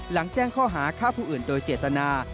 แจ้งข้อหาฆ่าผู้อื่นโดยเจตนา